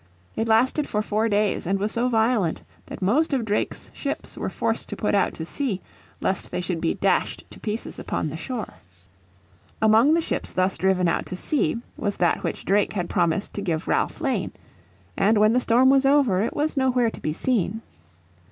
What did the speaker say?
It lasted for four days and was so violent that most of Drake's ships were forced to put out to sea lest they should be dashed to pieces upon the shore. Among the ships thus driven out to sea was that which Drake had promised to give Ralph Lane. And when the storm was over it was nowhere to be seen.